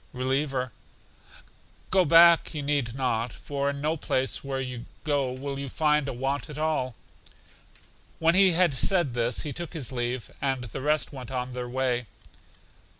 Reliever: Go back you need not, for in no place where you go will you find a want at all. When he had said this he took his leave, and the rest went on their way.